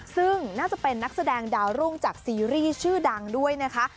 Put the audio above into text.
ซึ่งน่าจะเป็นนักแสดงดาวรุ่งจากซีรีส์ชื่อดังด้วยนะคะ